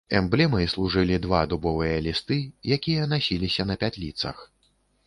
Эмблемай служылі два дубовыя лісты, якія насіліся на пятліцах.